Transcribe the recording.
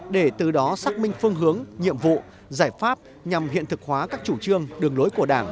để từ đó xác minh phương hướng nhiệm vụ giải pháp nhằm hiện thực hóa các chủ trương đường lối của đảng